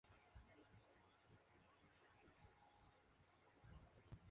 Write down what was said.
Roloff que encontraron cadmio en el óxido de zinc en ese mismo año.